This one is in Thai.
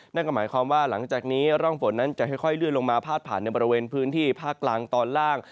นั่นก็หมายความว่าหลังจากนี้ร่องฝนนั้นจะค่อยเลื่อนลงมาพาดผ่านในบริเวณพื้นที่ภาคกลางตอนล่าง